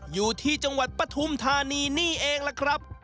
อยู่ที่จังหวัดปฐุมธานีนี่เองล่ะครับ